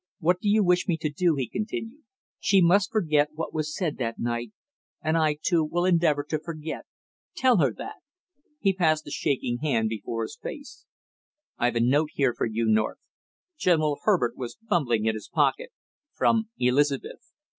"What do you wish me to do?" he continued. "She must forget what was said that night, and I, too, will endeavor to forget tell her that." He passed a shaking hand before his face. "I've a note here for you, North " General Herbert was fumbling in his pocket "from Elizabeth.